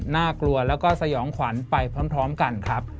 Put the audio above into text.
น่ากลัวแล้วก็สยองขวัญไปพร้อมกันครับ